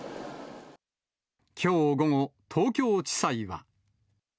きょう午後、東京地裁は。